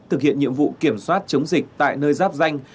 thực hiện nhiệm vụ kiểm soát chống dịch tại nơi giáp danh